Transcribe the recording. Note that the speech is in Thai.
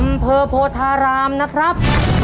อำเภอโพธารามนะครับ